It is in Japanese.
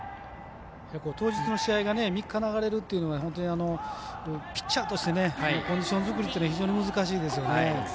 当日の試合が３日流れるというのは本当にピッチャーとしてコンディション作りというのが非常に難しいですよね。